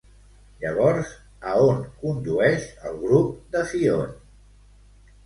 Llavors, a on condueix el grup de Fionn?